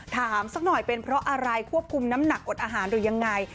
สักหน่อยเป็นเพราะอะไรควบคุมน้ำหนักอดอาหารหรือยังไง